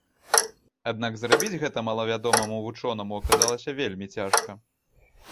Аднак зрабіць гэта малавядомаму вучонаму аказалася вельмі цяжка.